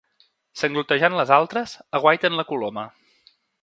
Sanglotejant les altres, aguaiten la coloma.